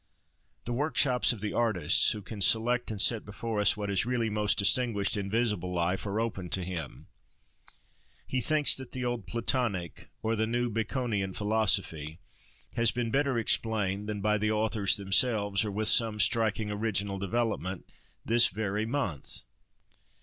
The workshops of the artists, who can select and set before us what is really most distinguished in visible life, are open to him. He thinks that the old Platonic, or the new Baconian philosophy, has been better explained than by the authors themselves, or with some striking original development, this very month.